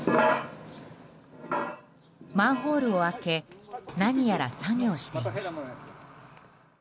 マンホールを開け何やら作業しています。